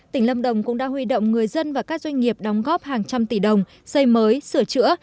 tỉnh lâm đồng cũng đã huy động người dân và các doanh nghiệp đóng góp hàng trăm tỷ đồng xây mới sửa chữa